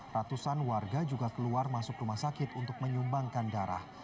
ratusan warga juga keluar masuk rumah sakit untuk menyumbangkan darah